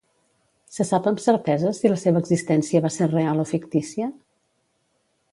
Se sap amb certesa si la seva existència va ser real o fictícia?